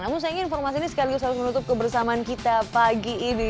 namun saya ingin informasi ini sekaligus harus menutup kebersamaan kita pagi ini